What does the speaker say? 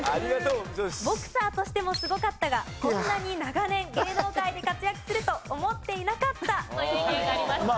ボクサーとしてもすごかったがこんなに長年芸能界で活躍すると思っていなかったという意見がありました。